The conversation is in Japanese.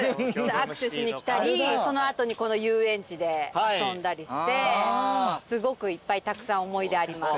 握手しに来たりその後にこの遊園地で遊んだりしてすごくいっぱいたくさん思い出あります。